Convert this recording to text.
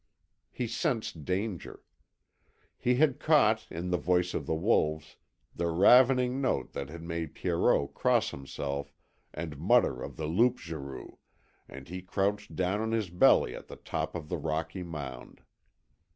He sensed danger. He had caught, in the voice of the wolves, the ravening note that had made Pierrot cross himself and mutter of the loups garous, and he crouched down on his belly at the top of the rocky mound.